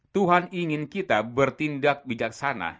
tuhan ingin kita bertindak bijaksana